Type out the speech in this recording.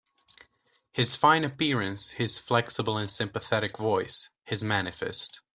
His fine appearance, his flexible and sympathetic voice, his manifest.